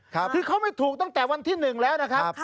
คือเขาไม่ถูกตั้งแต่วันที่๑แล้วนะครับ